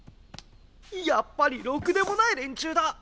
やっぱりろくでもない連中だ。